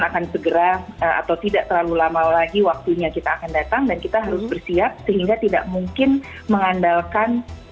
akan segera atau tidak terlalu lama lagi waktunya kita akan datang dan kita harus bersiap sehingga tidak mungkin mengandalkan